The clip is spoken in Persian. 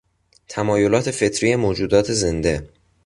تمایلات فطری موجودات زنده